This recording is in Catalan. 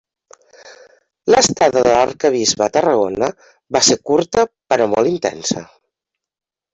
L'estada de l'Arquebisbe a Tarragona va ser curta però molt intensa.